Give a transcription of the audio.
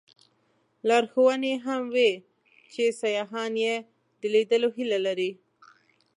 لارښوونې هم وې چې سیاحان یې د لیدلو هیله لري.